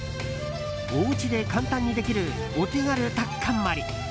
おうちで簡単にできるお手軽タッカンマリ。